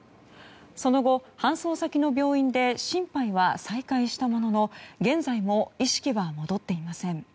その後、搬送先の病院で心肺は再開したものの現在も意識は戻っていません。